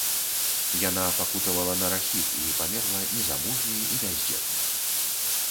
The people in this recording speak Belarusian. Яна пакутавала на рахіт і памерла незамужняй і бяздзетнай.